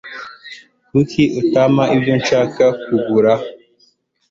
Kuki utampa ibyo nshaka kugira?